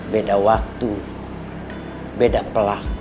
beda waktu beda pelaku